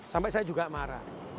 sampai saya juga marah